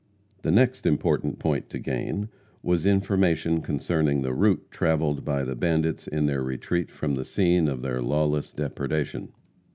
The next important point to gain, was information concerning the route travelled by the bandits in their retreat from the scene of their lawless depredation.